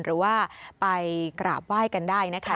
หรือว่าไปกราบไหว้กันได้นะคะ